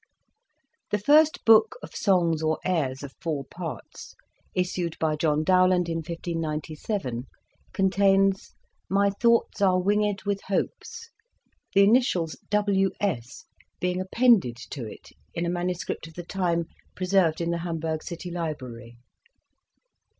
"The First Book of Songs or Airs, of four parts," issued by John Dowland in 1597, contains "My thoughts are Introduction. winged with hopes ": the initials W. S. being appended to it in a MS. of the time preserved in the Hamburg City Library.